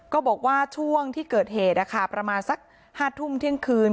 บอกว่าช่วงที่เกิดเหตุประมาณสัก๕ทุ่มเที่ยงคืน